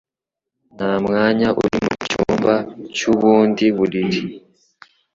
Nta mwanya uri mucyumba cy'ubundi buriri.